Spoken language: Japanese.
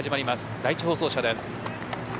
第１放送車です。